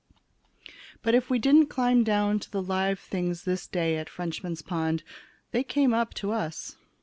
But if we didn't climb down to the live things this day at Frenchman's Pond, they came up to us.